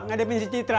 nggak demin si citra